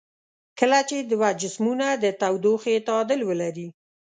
کله چې دوه جسمونه د تودوخې تعادل ولري.